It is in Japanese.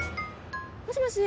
もしもし。